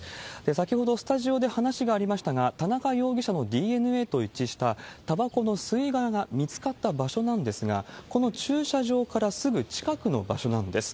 先ほどスタジオで話がありましたが、田中容疑者のＤＮＡと一致したたばこの吸い殻が見つかった場所なんですが、この駐車場からすぐ近くの場所なんです。